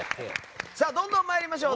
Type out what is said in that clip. どんどん参りましょう。